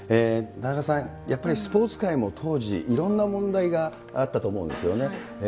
田中さん、やっぱりスポーツ界も当時、いろんな問題があったと思うんですよね。